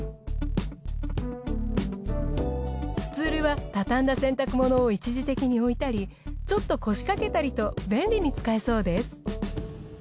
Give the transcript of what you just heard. スツールは畳んだ洗濯物を一時的に置いたりちょっと腰掛けたりと便利に使えそうです。